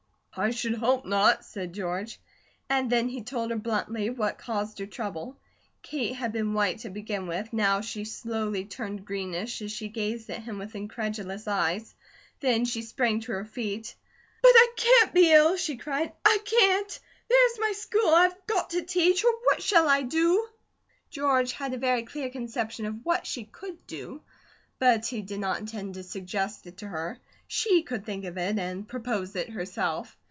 "I should hope not!" said George. And then he told her bluntly what caused her trouble. Kate had been white to begin with, now she slowly turned greenish as she gazed at him with incredulous eyes. Then she sprang to her feet. "But I can't be ill!" she cried. "I can't! There is my school! I've got to teach! Oh, what shall I do?" George had a very clear conception of what she could do, but he did not intend to suggest it to her. She could think of it, and propose it herself.